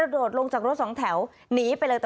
โดดลงจากรถสองแถวหนีไปเลย